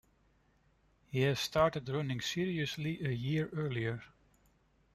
He has started running seriously a year earlier.